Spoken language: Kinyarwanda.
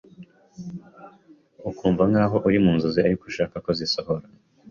ukumva nkaho uri mu nzozi ariko ushaka ko zisohora.